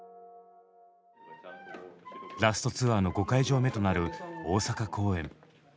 ラスト・ツアーの５会場目となる大阪公演。